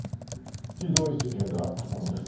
ひどい事件があったものです。